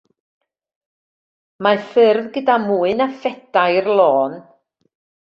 Mae ffyrdd gyda mwy na phedair lôn.